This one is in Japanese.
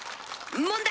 問題！